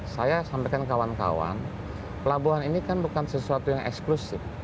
saya sampaikan kawan kawan pelabuhan ini kan bukan sesuatu yang eksklusif